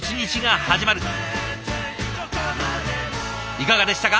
いかがでしたか？